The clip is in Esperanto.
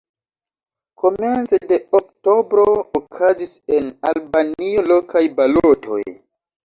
Komence de oktobro okazis en Albanio lokaj balotoj.